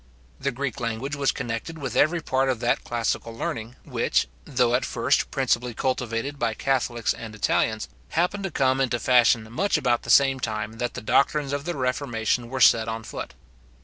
The Greek language was connected with every part of that classical learning, which, though at first principally cultivated by catholics and Italians, happened to come into fashion much about the same time that the doctrines of the reformation were set on foot.